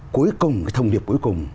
cuối cùng cái thông điệp cuối cùng